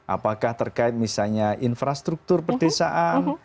apakah terkait misalnya infrastruktur perdesaan